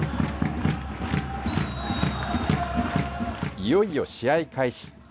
いよいよ試合開始。